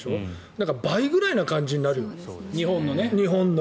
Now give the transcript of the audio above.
だから、倍ぐらいの感じになるよ日本の。